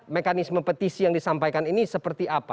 mekanisme petisi yang disampaikan ini seperti apa